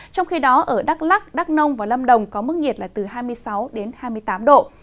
trong khi đó ở đắk lắc đắk nông và lâm đồng có mức nhiệt là từ hai mươi sáu đến hai mươi tám độ